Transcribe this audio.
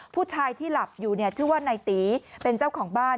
ผู้ชายที่หลับอยู่ชื่อว่านายตีเป็นเจ้าของบ้าน